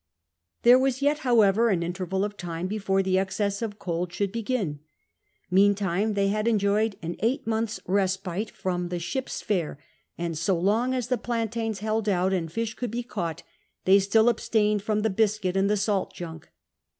There was yet, liowever, an interval of time before the excess of cold should licgin. Meantime they had cnjoye<l an eight months' respite from the ship's fare, and so long as the plantiiiris h(3ld out and fish could be caught they still abstained from the biscuit and the salt junk.